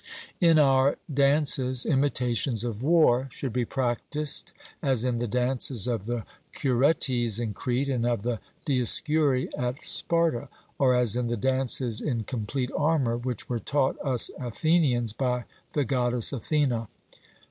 In our dances imitations of war should be practised, as in the dances of the Curetes in Crete and of the Dioscuri at Sparta, or as in the dances in complete armour which were taught us Athenians by the goddess Athene.